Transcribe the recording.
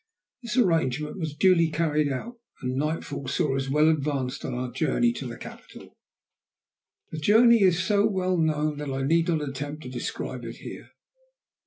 This arrangement was duly carried out, and nightfall saw us well advanced on our journey to the capital. The journey is so well known that I need not attempt to describe it here.